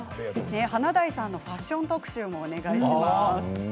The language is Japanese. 華大さんのファッション特集もお願いします。